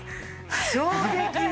衝撃。